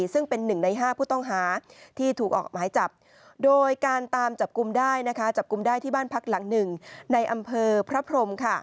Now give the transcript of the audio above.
ซึ่งเป็น๑ใน๕ผู้ต้องหาที่ถูกออกมาจับโดยการตามจับกุมได้ที่บ้านพักหลัง๑ในอำเภอพรพรม